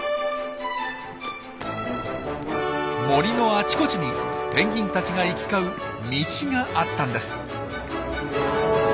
森のあちこちにペンギンたちが行き交う「道」があったんです。